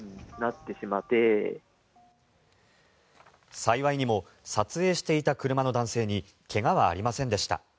幸いにも撮影していた車の男性に怪我はありませんでした。